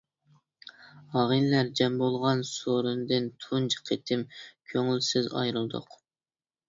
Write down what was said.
ئاغىنىلەر جەم بولغان سورۇندىن تۇنجى قېتىم كۆڭۈلسىز ئايرىلدۇق.